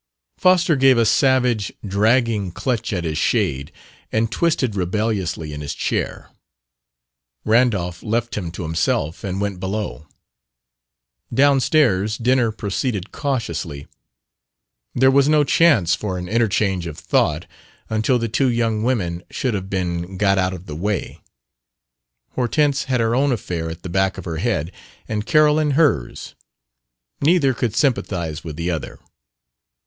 Foster gave a savage, dragging clutch at his shade and twisted rebelliously in his chair. Randolph left him to himself and went below. Downstairs dinner proceeded cautiously. There was no chance for an interchange of thought until the two young women should have been got out of the way. Hortense had her own affair at the back of her head, and Carolyn hers. Neither could sympathize with the other.